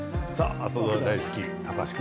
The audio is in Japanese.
朝ドラ大好き高橋君。